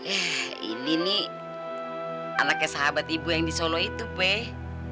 eh ini nih anaknya sahabat ibu yang di solo itu teh